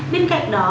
bên cạnh đó